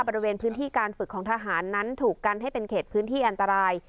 บริเวณพื้นที่การฝึกของทหารนั้นถูกกันให้เป็นเขตพื้นที่อันตราย